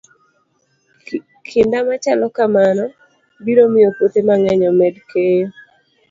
Kinda machalo kamano biro miyo puothe mang'eny omed keyo.